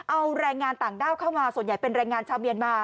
เอาแรงงานต่างด้าวเข้ามาส่วนใหญ่เป็นแรงงานชาวเมียนมา